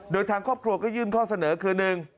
โดยทางครอบครัวก็ยื่นข้อเสนอคือหนึ่ง